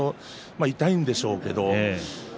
痛いんでしょうけど。